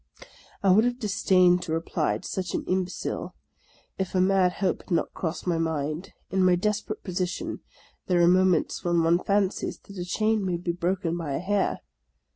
I would have disdained to reply to such an imbecile, if a mad hope had not crossed my mind. In my desperate posi tion there are moments when one fancies that a chain may be broken by a hair.